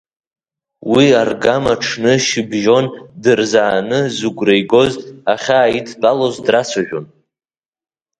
Уи аргама, аҽны шьыбжьон дырзааны, зыгәра игоз ахьааидтәалоз драцәажәон.